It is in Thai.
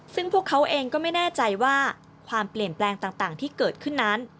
ซึ่งพวกเขาเองก็ไม่แน่ใจว่าความเปลี่ยนแปลงต่างที่เกิดขึ้นนั้น